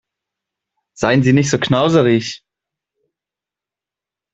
Seien Sie nicht so knauserig!